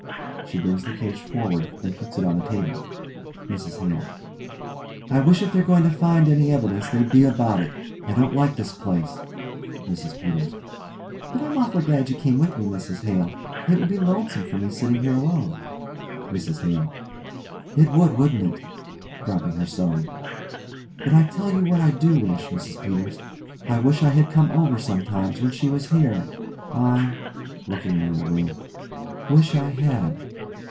(She brings the cage forward and puts it on the table.) MRS HALE: I wish if they're going to find any evidence they'd be about it. I don't like this place. MRS PETERS: But I'm awful glad you came with me, Mrs Hale. It would be lonesome for me sitting here alone. MRS HALE: It would, wouldn't it? (dropping her sewing) But I tell you what I do wish, Mrs Peters. I wish I had come over sometimes when she was here. I (looking around the room) wish I had.